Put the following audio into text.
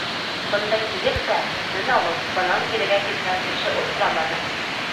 Бында килеп тә, тын алып, бынан кирегә киткән кеше осраманы.